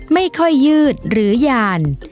ไม่ค่อยยืดหรือยาน